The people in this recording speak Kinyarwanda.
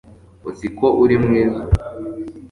Uzi ko uri mwiza